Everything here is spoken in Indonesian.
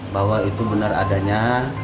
bahwa itu benar adanya